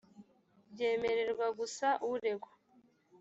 byemererwa gusa uregwa